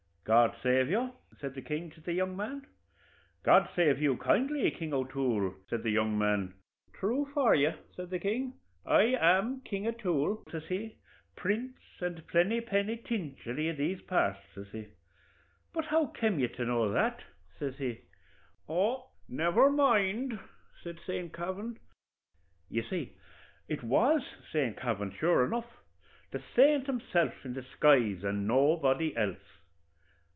"'God save you,' says the king to the young man. "'God save you kindly, King O'Toole,' says the young man. 'Thrue for you,' says the king. 'I am King O'Toole,' says he, 'prince and plennypennytinchery o' these parts,' says he; 'but how kem ye to know that?' says he. 'Oh, never mind,' says St. Kavin. "You see it was Saint Kavin, sure enough the saint himself in disguise, and nobody else.